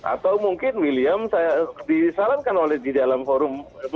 atau mungkin william saya disarankan oleh di dalam forum